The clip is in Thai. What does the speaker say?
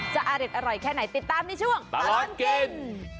อร่อยแค่ไหนติดตามในช่วงตลอดกิน